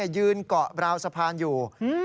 ยืนเกาะเปล่าสะพานอยู่